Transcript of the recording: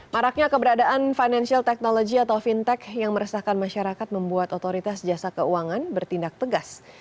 maraknya keberadaan financial technology atau fintech yang meresahkan masyarakat membuat otoritas jasa keuangan bertindak tegas